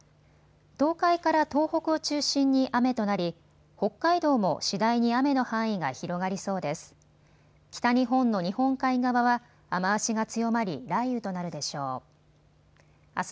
東海から東北を中心に雨となり北海道も次第に雨の範囲が広がりそうです。